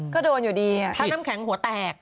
ก็โดนอยู่ดีทั้งน้ำแข็งหัวแตก